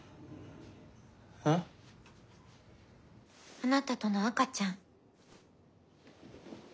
あなたとの赤ちゃん。